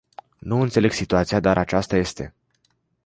Nu înțeleg situația, dar aceasta este.